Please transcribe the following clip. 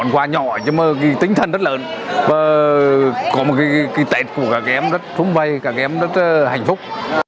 quà nhỏ nhưng mà tinh thần rất lớn và có một cái tết của các em rất phúng vây các em rất hạnh phúc